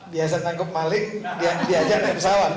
biasa nangkep malik diajak naik pesawat